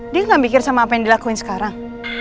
dia gak mikir sama apa yang dilakuin sekarang